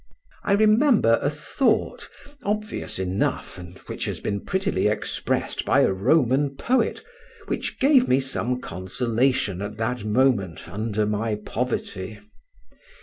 I remember a thought (obvious enough, and which has been prettily expressed by a Roman poet) which gave me some consolation at that moment under my poverty.